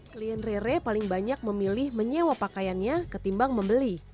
klien rere paling banyak memilih menyewa pakaiannya ketimbang membeli